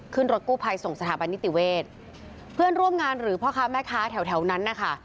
ขึ้นรถกู้ภัยส่งสถาบันนิติเวศเพื่อนร่วมงานหรือพ่อค้าแม่ค้าแถวแถวนั้นนะคะ